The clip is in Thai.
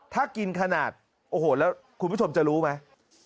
ถ้ากินขนาดโอ้โหแล้วคุณผู้ชมจะรู้ไหม